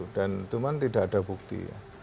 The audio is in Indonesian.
dan cuman tidak ada bukti